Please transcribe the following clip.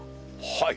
はい。